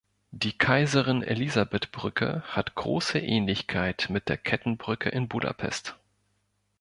Die Kaiserin-Elisabeth-Brücke hatte große Ähnlichkeit mit der Kettenbrücke in Budapest.